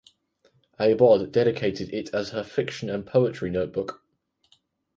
Eybod dedicated it as her fiction and poetry notebook.